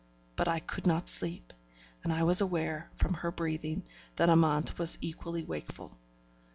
But I could not sleep, and I was aware, from her breathing, that Amante was equally wakeful.